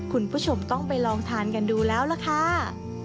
คุณผู้ชมต้องไปลองทานกันดูแล้วล่ะค่ะ